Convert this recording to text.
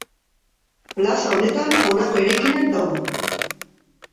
Plaza honetan honako eraikinak daude.